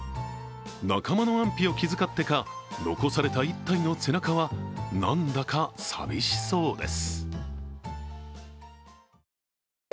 仲間の安否を気遣ってか、残された１体の背中はなんだか寂しそうです。